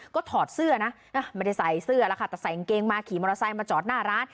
ก็ถอดเสื้อนะไม่ได้ใส่เสื้อแล้วค่ะแต่ใส่กางเกงมาขี่มอเตอร์ไซค์มาจอดหน้าร้าน